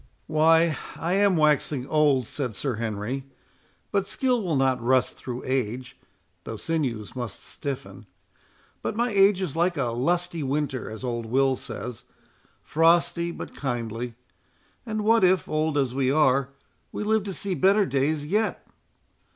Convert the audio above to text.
"Why, I am waxing old," said Sir Henry; "but skill will not rust through age, though sinews must stiffen. But my age is like a lusty winter, as old Will says, frosty but kindly; and what if, old as we are, we live to see better days yet!